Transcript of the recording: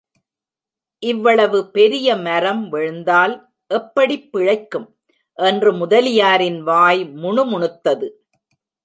இவ்வளவு பெரிய மரம் விழுந்தால், எப்படிப் பிழைக்கும்? என்று முதலியாரின் வாய் முணுமுணுத்தது.